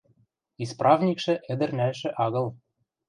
Исправникшӹ ӹдӹр нӓлшӹ агыл.